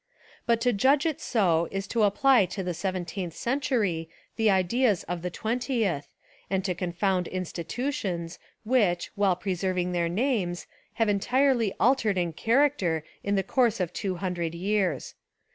But 291 Essays and Literary Studies to judge it so is to apply to the seventeenth century the Ideas of the twentieth, and to con found Institutions, which, while preserving their names, have entirely altered in character in the course of two hundred years.